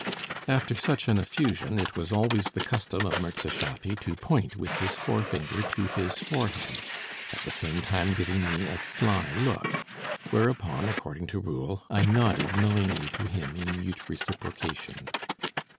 After such an effusion, it was always the custom of Mirza Schaffy to point with his forefinger to his forehead, at the same time giving me a sly look; whereupon, according to rule, I nodded knowingly to him in mute reciprocation.